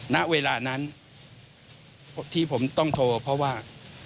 ณเวลานั้นที่ผมต้องโทรเพราะว่า